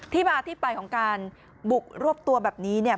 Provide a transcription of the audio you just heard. ที่มาที่ไปของการบุกรวบตัวแบบนี้เนี่ย